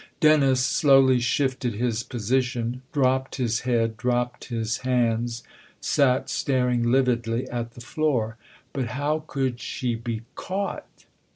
Dennis slowly shifted his position, dropped his head, dropped his hands, sat staring lividly at the floor. " But how could she be caught?"